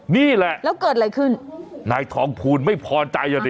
นี่แหละแล้วเกิดอะไรขึ้นนายทองภูลไม่พอใจอ่ะดิ